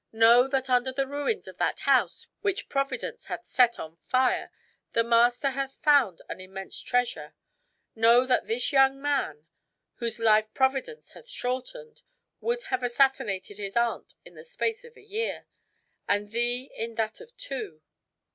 "Know that under the ruins of that house which Providence hath set on fire the master hath found an immense treasure. Know that this young, man, whose life Providence hath shortened, would have assassinated his aunt in the space of a year, and thee in that of two."